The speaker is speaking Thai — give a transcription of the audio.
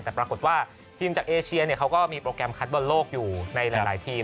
แต่ปรากฏว่าทีมจากเอเชียเขาก็มีโปรแกรมคัดบอลโลกอยู่ในหลายทีม